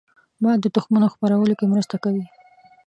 باد د تخمونو خپرولو کې مرسته کوي